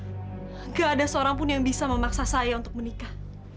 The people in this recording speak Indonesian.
enggak ada seorangpun yang bisa memaksa saya untuk menikah